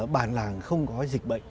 bản làng không có gì